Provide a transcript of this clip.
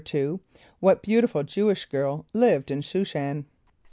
= What beautiful Jew´[)i]sh girl lived in Sh[u:]´shan?